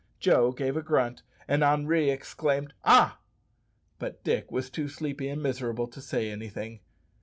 Joe gave a grunt, and Henri exclaimed, "Hah!" but Dick was too sleepy and miserable to say anything.